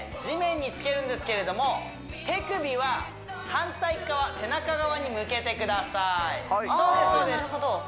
地面につけるんですけれども手首は反対側背中側に向けてくださいそうです